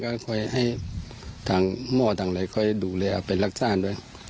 ก็คอยให้ทางหมอต่างเลยคอยดูแลออกไปรักษาด้วย